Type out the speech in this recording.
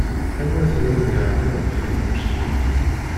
Anwa tenwiḍ yeεni ad yexdem annect-en?